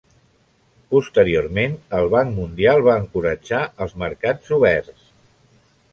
Posteriorment, el Banc Mundial va encoratjar els mercats oberts.